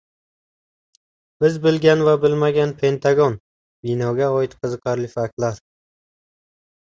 Biz bilgan va bilmagan Pentagon: binoga oid qiziqarli faktlar